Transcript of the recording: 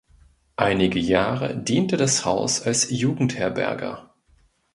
Einige Jahre diente das Haus als Jugendherberge.